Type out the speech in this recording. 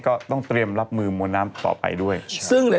ก็ต้องเตรียมหลับมือมัวน้ำต่อไปด้วยซึ่งหลาย